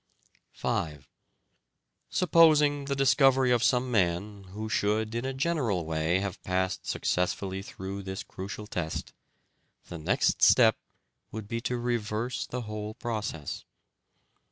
5. Supposing the discovery of some man who should in a general way have passed successfully through this crucial test, the next step would be to reverse the whole process.